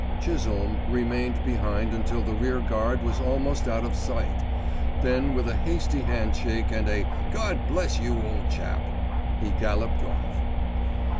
Chisholme remained behind until the rearguard was almost out of sight, then with a hasty handshake and a "God bless you, old chap" he galloped off.